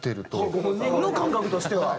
ご本人の感覚としては。